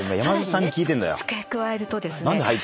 さらにね付け加えるとですね